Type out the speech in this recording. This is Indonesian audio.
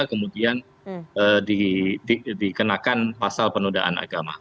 kemudian dikenakan pasal penodaan agama